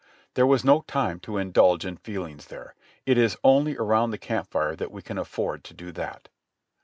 There was no time to indulge in feelings there; it is only around the camp fire that we can afford to do that.